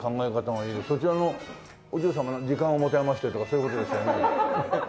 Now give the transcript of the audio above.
そちらのお嬢様時間を持て余してとかそういう事ですよね？